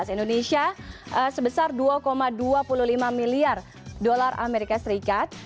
indonesia sebesar dua dua puluh lima miliar dolar amerika serikat